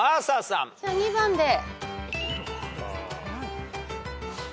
じゃあ２番で。